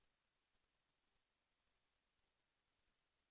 แสวได้ไงของเราก็เชียนนักอยู่ค่ะเป็นผู้ร่วมงานที่ดีมาก